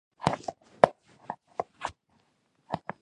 وګړي د افغانستان د ټولو هیوادوالو لپاره یو لوی ویاړ دی.